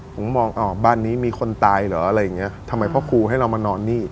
ผมก็มองอ้าวบ้านนี้มีคนตายเหรออะไรอย่างเงี้ยทำไมพ่อครูให้เรามานอนนี่